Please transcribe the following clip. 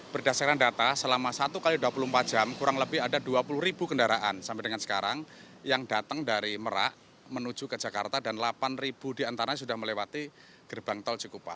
berdasarkan data selama satu x dua puluh empat jam kurang lebih ada dua puluh ribu kendaraan sampai dengan sekarang yang datang dari merak menuju ke jakarta dan delapan diantaranya sudah melewati gerbang tol cikupa